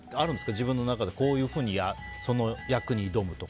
自分の中でこういうふうにその役に挑むとか。